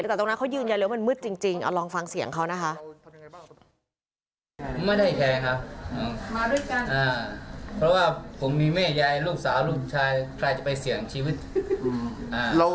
แต่ตรงนั้นเขายืนยันเลยว่ามันมืดจริงเอาลองฟังเสียงเขานะคะ